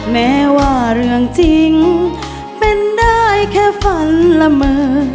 แม้ว่าเรื่องจริงเป็นได้แค่ฝันละเมอ